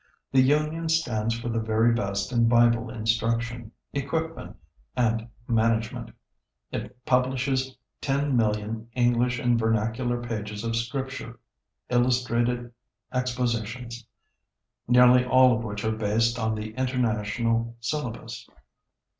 The Union stands for the very best in Bible instruction, equipment, and management. It publishes 10,000,000 English and vernacular pages of Scripture illustrated expositions, nearly all of which are based on the international syllabus.